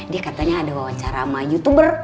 dia katanya ada wawancara sama youtuber